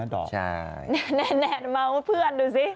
แน่มาพูดเพื่อนดูซิ